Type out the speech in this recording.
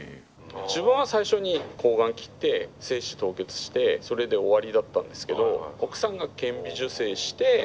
自分は最初に睾丸切って精子凍結してそれで終わりだったんですけど奥さんが顕微授精して戻す。